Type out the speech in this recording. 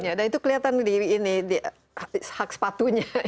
ya dan itu kelihatan di ini hak sepatunya itu dimana kita meletakkan bergantungan